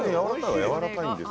やわらかい。